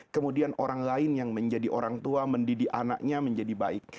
kemudian orang lain yang menjadi orang tua mendidik anaknya menjadi baik